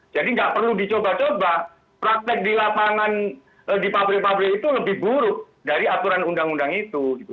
jadi nggak perlu dicoba coba praktek di lapangan di pabrik pabrik itu lebih buruk dari aturan undang undang itu